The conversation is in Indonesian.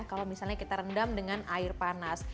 kalau misalnya kita rendam dengan air panas